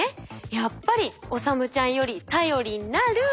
やっぱり理ちゃんより頼りになる！